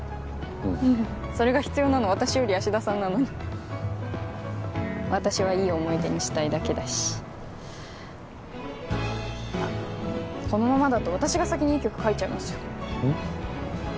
うんそれが必要なの私より芦田さんなのに私はいい思い出にしたいだけだしあっこのままだと私が先にいい曲書いちゃいますようん？